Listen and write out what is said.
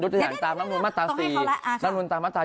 อยู่ในตามรัฐมนุชตามตรา๔